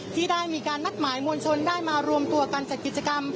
ที่ได้มีการนัดหมายมวลชนได้มารวมตัวกันจัดกิจกรรม